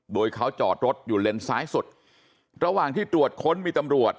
โดยเขาจอดรถอยู่เลนซ้ายสุดระหว่างที่ตรวจค้นมีตำรวจ